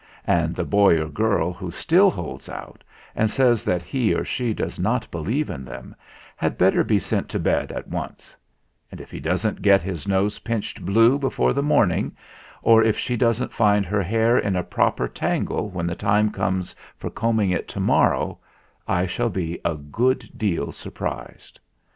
And the boy or girl who still holds out, and says that he or she does not believe in them, had better be sent to bed at once ; and if he doesn't get his nose pinched blue before the morning, or if she doesn't find her hair in a proper tangle when the time comes for combing it to morrow, I shall be a good deal surprised.